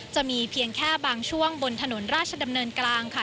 จะมีเพียงแค่บางช่วงบนถนนราชดำเนินกลางค่ะ